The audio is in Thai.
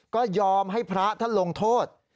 ก็ยอมให้พระท่านลงโทษ